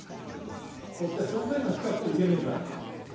こっちはしょんべんが近くていけねえから」なんてんで。